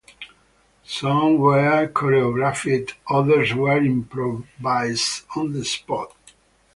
Some were choreographed, others were improvised on the spot.